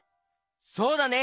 そうだね！